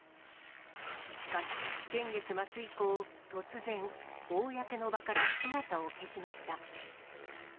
しかし、先月末以降、突然、公の場から姿を消しました。